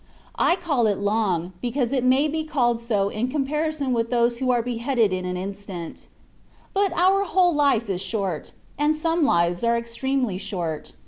I call it " long,^^ because it may be called so in comparison with those who are beheaded in an instant : but our whole life is short, and some lives are extremely short.